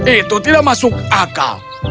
itu tidak masuk akal